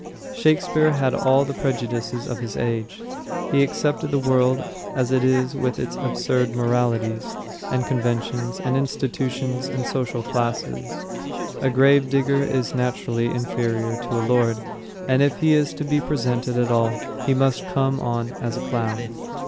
Shakespeare had all the prejudices of his age. He accepted the world as it is with its absurd moralities, its conventions and institutions and social classes. A gravedigger is naturally inferior to a lord, and if he is to be presented at all, he must come on as a clown.